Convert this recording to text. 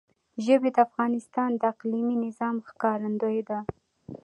ژبې د افغانستان د اقلیمي نظام ښکارندوی ده.